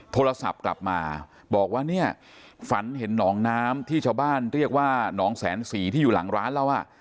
โทรศัพท์กลับมาบอกว่าเนี่ยฝันเห็นหนองน้ำที่ชาวบ้านเรียกว่าหนองแสนศรีที่อยู่หลังร้านเราอ่ะ